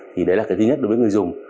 thì đấy là cái thứ nhất đối với người dùng